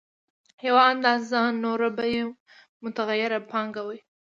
یوه اندازه نوره به یې متغیره پانګه وي